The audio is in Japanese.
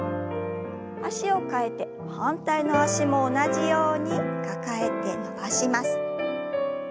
脚を替えて反対の脚も同じように抱えて伸ばします。